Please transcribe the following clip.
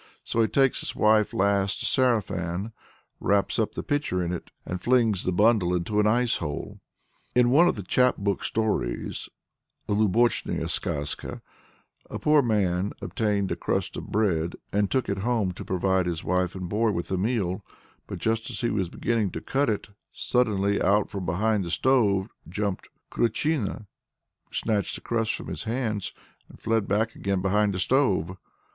So he takes his wife's last sarafan, wraps up the pitcher in it, and flings the bundle into an ice hole. In one of the "chap book" stories (a lubochnaya skazka), a poor man "obtained a crust of bread and took it home to provide his wife and boy with a meal, but just as he was beginning to cut it, suddenly out from behind the stove jumped Kruchìna, snatched the crust from his hands, and fled back again behind the stove.